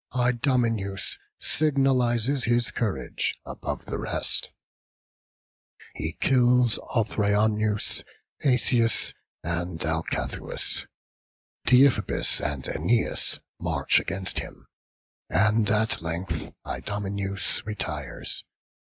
Idomeneus signalizes his courage above the rest; he kills Othryoneus, Asius, and Alcathous; Deiphobus and Æneas march against him, and at length Idomeneus retires.